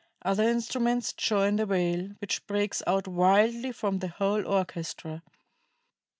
Other instruments join the wail, which breaks out wildly from the whole orchestra.